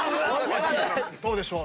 どうでしょう？